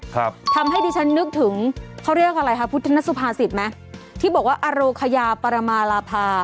ครับทำให้ดิฉันนึกถึงเขาเรียกอะไรคะพุทธนสุภาษิตไหมที่บอกว่าอโรคยาปรมาลาภา